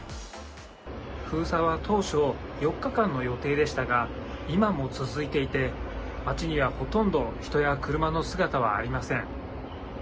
封鎖は当初、４日間の予定でしたが、今も続いていて、街にはほとんど人や車の姿はありません。